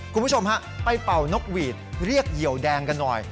คุณผู้ชมฮะไปเป่านกหวีดเรียกเหยียวแดงกันหน่อย